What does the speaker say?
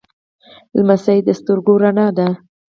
لمسی د سترګو رڼا ده.